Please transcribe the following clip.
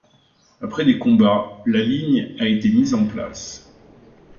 Après des combats, la ligne a été mise en place.